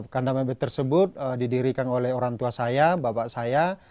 kandang bebek tersebut didirikan oleh orang tua saya bapak saya